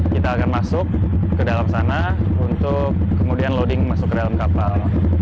kita akan masuk ke dalam sana untuk kemudian loading masuk ke dalam kapal